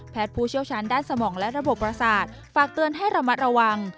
ผู้เชี่ยวชาญด้านสมองและระบบประสาทฝากเตือนให้ระมัดระวัง